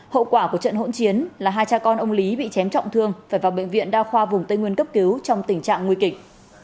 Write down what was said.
hậu quả của trận hỗn chiến là hai cha con ông lý bị chém trọng thương phải vào bệnh viện đa khoa vùng tây nguyên cấp cứu trong tình trạng nguy kịch